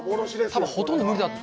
多分ほとんど無理だと。